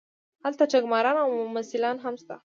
هلته ټګماران او ممثلان هم شته.